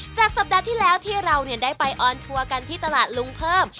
สัปดาห์ที่แล้วที่เราได้ไปออนทัวร์กันที่ตลาดลุงเพิ่ม